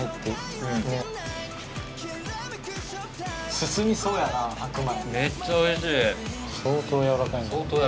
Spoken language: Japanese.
進みそうやな、白米。